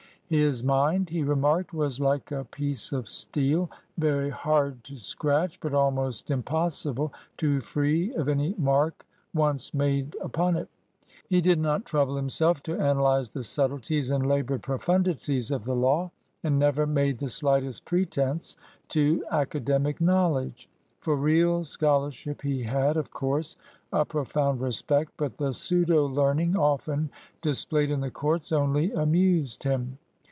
His mind, he remarked, was like a piece of steel — very hard to scratch, but almost impossible to free of any mark once made upon it. He did not trouble himself to analyze the subtleties and labored profundities of the 130 JUDGE LOGAN AND LINCOLN law, and never made the slightest pretense to aca demic knowledge. For real scholarship he had, of course, a profound respect, but the pseudo learning often displayed in the courts only amused him.